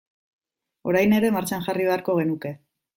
Orain ere martxan jarri beharko genuke.